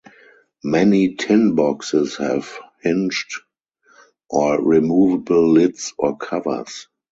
Many "tin boxes" have hinged or removable lids or covers.